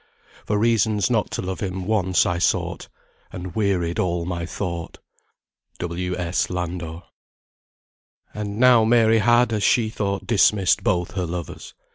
For reasons not to love him once I sought, And wearied all my thought." W. S. LANDOR. And now Mary had, as she thought, dismissed both her lovers.